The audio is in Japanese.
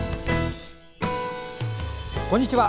こんにちは。